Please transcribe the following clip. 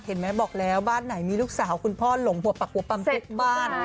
เห็นไหมบอกแล้วบ้านไหนมีลูกสาวคุณพ่อหลงหัวปักหัวปำทุกบ้าน